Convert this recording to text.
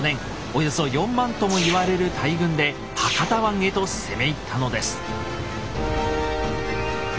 およそ４万とも言われる大軍で博多湾へと攻め入ったのです。